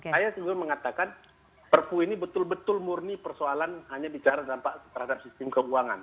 saya sebenarnya mengatakan perpu ini betul betul murni persoalan hanya bicara dampak terhadap sistem keuangan